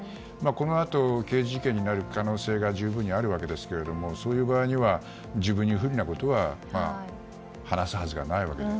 このあと刑事事件になる可能性が十分あるわけですがそういう場合には自分に不利なことを話すはずがないので。